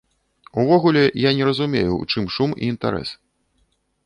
Увогуле я не разумею, у чым шум і інтарэс.